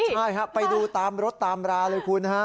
ใช่ครับไปดูตามรถตามราเลยคุณฮะ